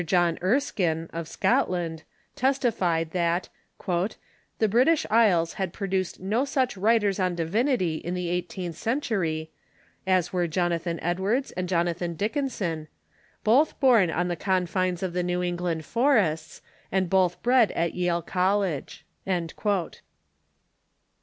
John Erskine, of Scotland, testified that "the British isles had produced no such writers on divinity in the eighteenth century" as were Jonathan Edwards and Jonathan Dickinson — "both born on the confines of the New England forests, and both bred at Yale College."!